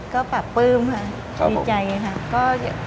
ก็ปรับปลื้มค่ะดีใจค่ะ